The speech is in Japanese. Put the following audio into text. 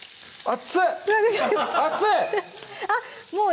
熱い！